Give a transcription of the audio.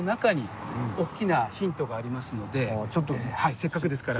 せっかくですから。